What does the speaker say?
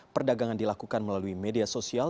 perdagangan dilakukan melalui media sosial